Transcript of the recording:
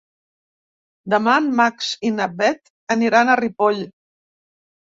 Demà en Max i na Bet aniran a Ripoll.